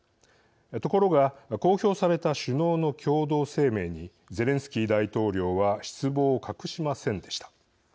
ところが公表された首脳の共同声明にゼレンスキー大統領は失望を隠しませんでした。